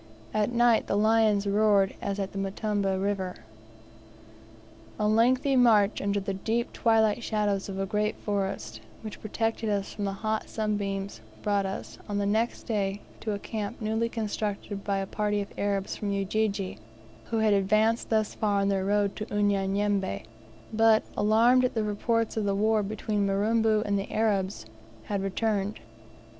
At night the lions roared as at the Mtambu River. A lengthy march under the deep twilight shadows of a great forest, which protected us from the hot sunbeams, brought us, on the next day, to a camp newly constructed by a party of Arabs from Ujiji, who had advanced thus far on their road to Unyanyembe, but, alarmed at the reports of the war between Mirambo and the Arabs, had returned.